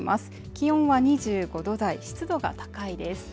気温は２５度台湿度が高いです。